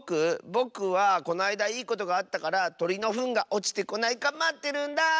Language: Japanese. ぼくはこないだいいことがあったからとりのふんがおちてこないかまってるんだ！